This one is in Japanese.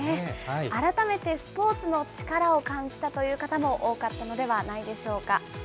改めてスポーツの力を感じたという方も多かったのではないでしょうか。